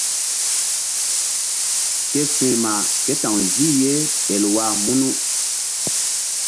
Ke firma ké ta̧w zih ye Elwa munu.